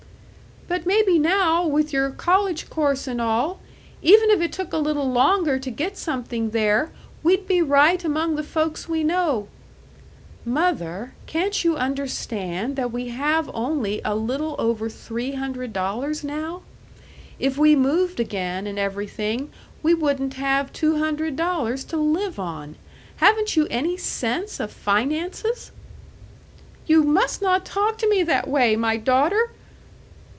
"But maybe now, with your college course and all even if it took a little longer to get something there, we'd be right among the folks we know " "Mother, can't you understand that we have only a little over three hundred dollars now? If we moved again and everything, we wouldn't have two hundred dollars to live on. Haven't you any sense of finances?" "You must not talk to me that way, my daughter!"